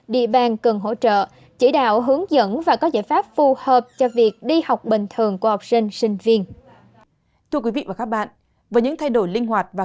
địa bàn cần hỗ trợ chỉ đạo hướng dẫn và có giải pháp phù hợp